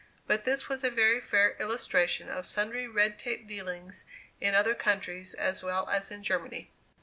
But this was a very fair illustration of sundry red tape dealings in other countries as well as in Germany.